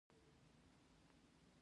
دا د ښکېلاکګرو له لوري وو.